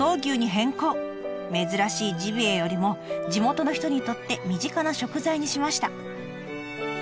珍しいジビエよりも地元の人にとって身近な食材にしました。